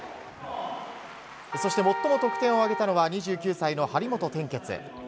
そして、最も得点を挙げたのは２９歳の張本天傑。